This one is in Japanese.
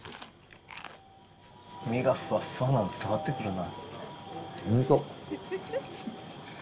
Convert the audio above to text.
身がふわふわなのが伝わってくるな。